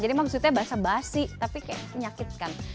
jadi maksudnya basah basi tapi kayak menyakitkan